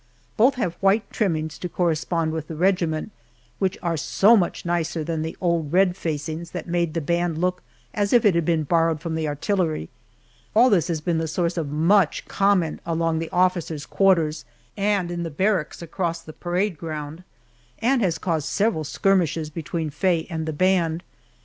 Both have white trimmings to correspond with the regiment, which are so much nicer than the old red facings that made the band look as if it had been borrowed from the artillery. All this has been the source of much comment along the officers' quarters and in the barracks across the parade ground, and has caused several skirmishes between Faye and the band.